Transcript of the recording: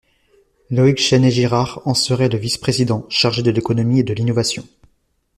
Loïg Chesnais-Girard en sera le vice-président, chargé de l'économie et de l'innovation.